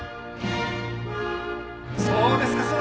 そうですかそうですか。